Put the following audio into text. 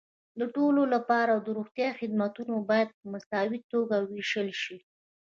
د ټولو لپاره د روغتیا خدمتونه باید په مساوي توګه وېشل شي.